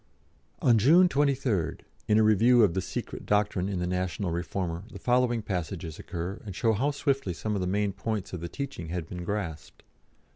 On June 23rd, in a review of "The Secret Doctrine" in the National Reformer, the following passages occur, and show how swiftly some of the main points of the teaching had been grasped.